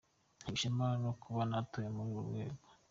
Ntewe ishema no kuba natowe muri urwo rwego.